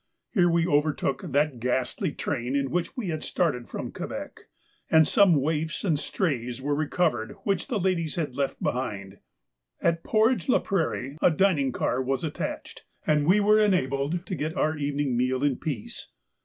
Here we overtook that ghastly train in which we had started from Quebec, and some waifs and strays were recovered which the ladies had left behind. At Portage la Prairie a dining car was attached, and we were enabled to get our evening meal in peace.